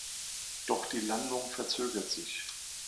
Doch die Landung verzögert sich.